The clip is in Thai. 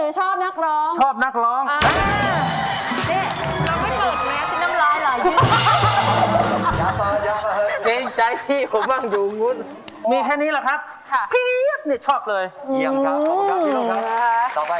ชอบเพลงหรือชอบนักร้อง